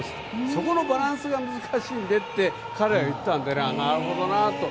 そこのバランスが難しいのでって彼は言っていたのでなるほどなと。